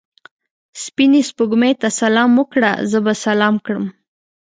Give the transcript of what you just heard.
سپینې سپوږمۍ ته سلام وکړه؛ زه به سلام کړم.